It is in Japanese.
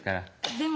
「でも」。